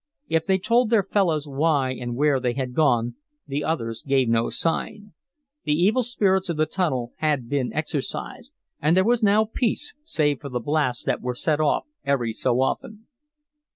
If they told their fellows why and where they had gone, the others gave no sign. The evil spirits of the tunnel had been exorcised, and there was now peace, save for the blasts that were set off every so often.